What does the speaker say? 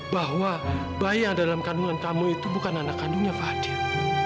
bahwa bayi yang dalam kandungan tamu itu bukan anak kandungnya fahadir